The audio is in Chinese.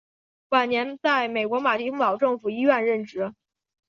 晚年在美国马丁堡政府医院任职。